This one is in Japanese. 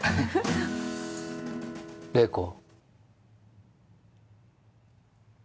麗子。